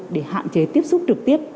để hạn chế tiếp xúc trực tiếp